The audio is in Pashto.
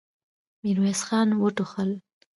ميرويس خان وټوخل.